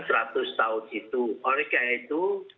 mengundang fasilitatif juga mengundang sihatan